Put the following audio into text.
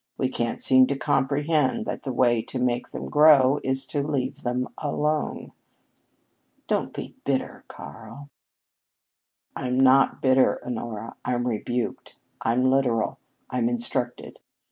We can't seem to comprehend that the way to make them grow is to leave them alone." "Don't be bitter, Karl." "I'm not bitter, Honora. I'm rebuked. I'm literal. I'm instructed.